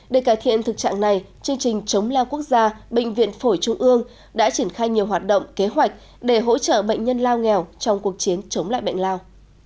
để cải thiện thực trạng này chương trình chống lao quốc gia bệnh viện phổi trung ương đã triển khai nhiều hoạt động kế hoạch để hỗ trợ bệnh nhân lao nghèo trong cuộc chiến chống lại bệnh lao